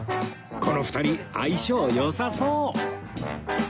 この２人相性良さそう！